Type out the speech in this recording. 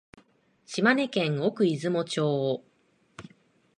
島根県奥出雲町